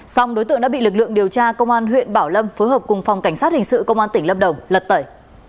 xong đối tượng đã bị lực lượng điều tra công an huyện bảo lâm phối hợp cùng phòng cảnh sát hình sự công an tỉnh lâm đồng lật tẩy